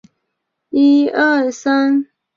段氏出身于段部鲜卑家族。